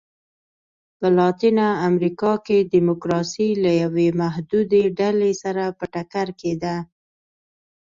په لاتینه امریکا کې ډیموکراسي له یوې محدودې ډلې سره په ټکر کې ده.